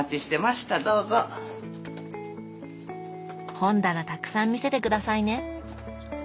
本棚たくさん見せて下さいね！